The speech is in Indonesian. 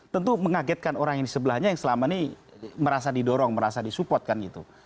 tentu mengagetkan orang yang di sebelahnya yang selama ini merasa didorong merasa disupport kan gitu